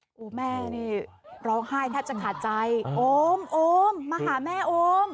โอ้โหแม่นี่ร้องไห้แทบจะขาดใจโอมโอมมาหาแม่โอม